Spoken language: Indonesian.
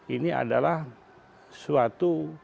ini adalah suatu